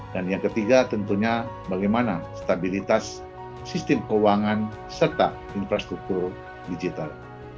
dan yang ketiga tentunya bagaimana stabilitas sistem keuangan serta infrastruktur digital